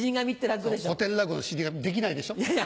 そう古典落語の『死神』できないでしょ？